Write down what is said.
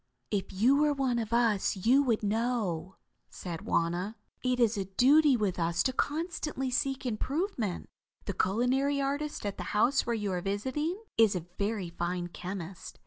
"If you were one of us you would know," said Wauna. "It is a duty with us to constantly seek improvement. The culinary artist at the house where you are visiting, is a very fine chemist.